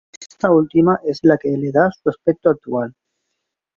Esta última es la que le da su aspecto actual.